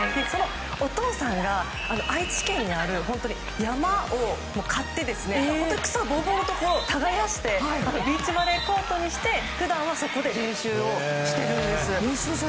お父さんが愛知県にある山を買って草ボーボーのところを耕してビーチバレーコートにして普段はそこで練習をしているんですよ。